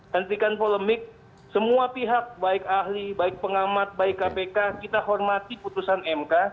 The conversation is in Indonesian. hentikan polemik semua pihak baik ahli baik pengamat baik kpk kita hormati putusan mk